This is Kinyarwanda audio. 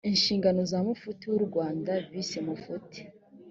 inshingano za mufti w u rwanda visi mufti